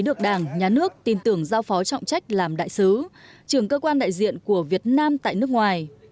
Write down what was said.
được đảng nhà nước tin tưởng giao phó trọng trách làm đại sứ trưởng cơ quan đại diện của việt nam tại nước ngoài